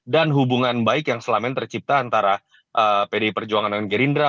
dan hubungan baik yang selama ini tercipta antara pdi perjuangan dengan gerindra